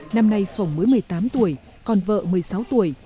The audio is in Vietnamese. năm nay khổng mới một mươi tám tuổi còn vợ một mươi sáu tuổi